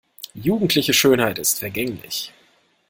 Jugendliche Schönheit ist vergänglich.